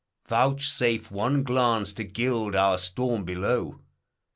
Vouchsafe one glance to gild our storm below.